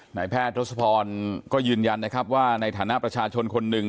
หน่ายแพทย์ทศพรก็ยืนยันว่าในฐานะประชาชนคนหนึ่ง